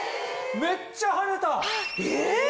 めっちゃ跳ねた！え！